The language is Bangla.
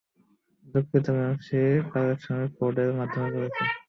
দুঃখিত ম্যাম সে তার লোকেশন কোড এর মাধ্যমে বলেছে।